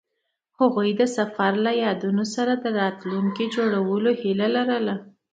هغوی د سفر له یادونو سره راتلونکی جوړولو هیله لرله.